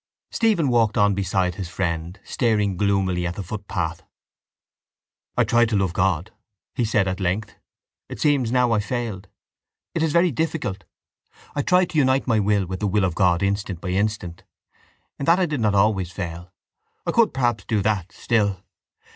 Stephen walked on beside his friend, staring gloomily at the footpath. —I tried to love God, he said at length. It seems now I failed. It is very difficult. I tried to unite my will with the will of God instant by instant. In that I did not always fail. I could perhaps do that still...